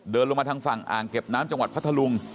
เดินลงมาทางฝั่งอ่างเก็บน้ำจังหวัดพัทธลุง